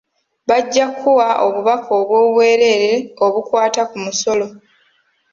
Bajja kuwa obubaka obw'obwereere obukwata ku musolo.